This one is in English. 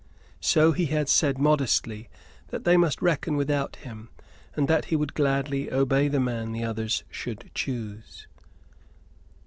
So he had said modestly that they must reckon without him, and that he would gladly obey the man the others should choose.